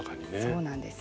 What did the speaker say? そうなんです。